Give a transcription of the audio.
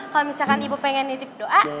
kalo misalkan ibu pengen nitip doa